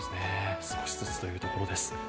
少しずつというところです。